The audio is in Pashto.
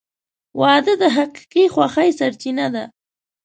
• واده د حقیقي خوښۍ سرچینه ده.